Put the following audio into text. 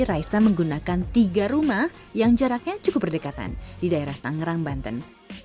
raisa menggunakan tiga rumah yang jaraknya cukup berdekatan di daerah tangerang banten